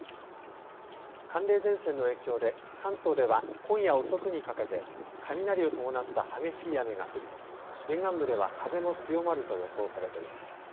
寒冷前線の影響で関東では今夜遅くにかけて雷を伴った激しい雨が降り沿岸部では風も強まると予想されています。